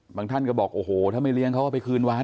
ท่านก็บอกโอ้โหถ้าไม่เลี้ยงเขาก็ไปคืนวัด